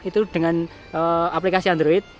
itu dengan aplikasi android